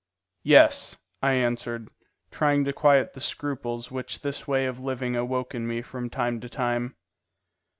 "Yes," I answered, trying to quiet the scruples which this way of living awoke in me from time to time.